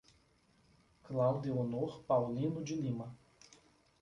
Claudeonor Paulino de Lima